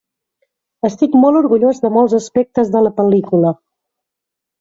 Estic molt orgullós de molts aspectes de la pel·lícula.